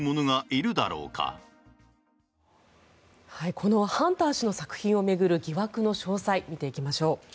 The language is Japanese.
このハンター氏の作品を巡る疑惑の詳細を見ていきましょう。